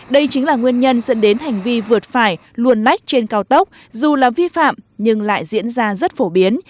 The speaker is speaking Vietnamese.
đây chính là nguyên nhân dẫn đến hành vi vượt phải luồn lách trên cao tốc dù là vi phạm nhưng lại diễn ra rất phổ biến